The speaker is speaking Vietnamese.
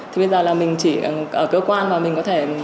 thì bây giờ là mình chỉ ở cơ quan mà mình có thể